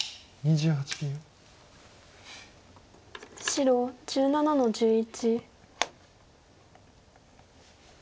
白１７の十一。